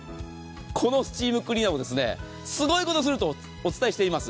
このスチームクリーナーはすごいことをするとお伝えしています。